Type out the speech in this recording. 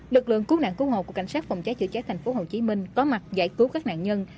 lực lượng cứu nạn cứu hộ của cảnh sát phòng cháy chữa cháy tp hcm có mặt giải cứu các nạn nhân